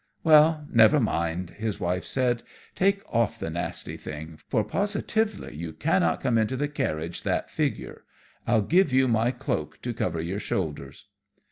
"Well, never mind," his wife said, "take off the nasty thing, for positively you cannot come into the carriage that figure. I'll give you my cloak to cover your shoulders."